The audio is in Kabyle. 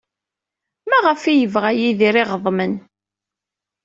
Maɣef ay yebɣa Yidir iɣeḍmen?